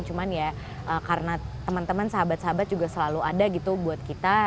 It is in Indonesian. cuman ya karena teman teman sahabat sahabat juga selalu ada gitu buat kita